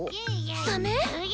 サメ？